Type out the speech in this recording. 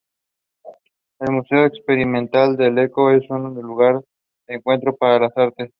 El Museo Experimental El Eco es un lugar de encuentro para las artes.